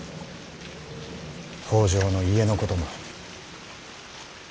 北条の家のことも。